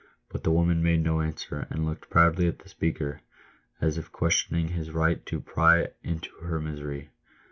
But the woman made no, answer, and looked proudly at the speaker, as if questioning his right to pry into her misery.